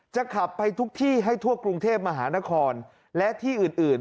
ขับไปทุกที่ให้ทั่วกรุงเทพมหานครและที่อื่น